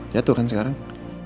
jatuh kan sekarang